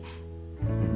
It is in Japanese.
うん。